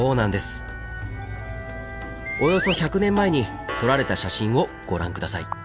およそ１００年前に撮られた写真をご覧下さい。